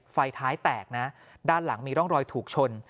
ไฟท้ายแตกนะด้านหลังมีร่องรอยถูกชน